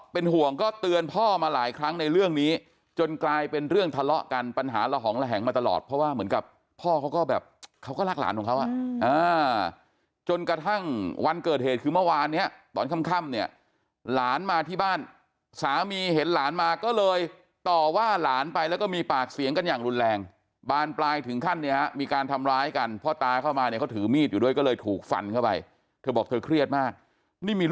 พ่อก็แบบเขาก็รักหลานของเขาอ่ะอ่าจนกระทั่งวันเกิดเหตุคือเมื่อวานเนี้ยตอนค่ำค่ำเนี้ยหลานมาที่บ้านสามีเห็นหลานมาก็เลยต่อว่าหลานไปแล้วก็มีปากเสียงกันอย่างรุนแรงบานปลายถึงขั้นเนี้ยฮะมีการทำร้ายกันพ่อตายเข้ามาเนี้ยเขาถือมีดอยู่ด้วยก็เลยถูกฝันเข้าไปเธอบอกเธอเครียดมากนี่ม